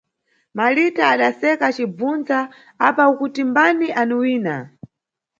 Malita adaseka acimʼbvundza, apa ukuti mbani aniwina?